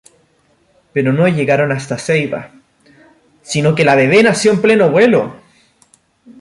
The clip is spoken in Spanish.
Pero no llegaron hasta Ceiba, ¡sino que la bebe nació en pleno vuelo!